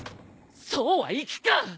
そうはいくか！